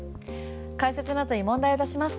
解説のあとに問題を出します。